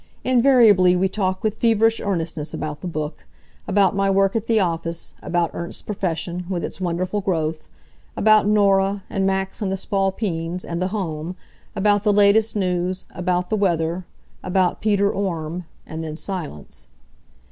Invariably we talk with feverish earnestness about the book; about my work at the office; about Ernst's profession, with its wonderful growth; about Norah, and Max and the Spalpeens, and the home; about the latest news; about the weather; about Peter Orme and then silence.